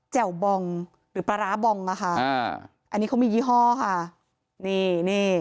แจ่วบองหรือปลาร้าบองนะคะอันนี้เขามียี่ห้อค่ะนี่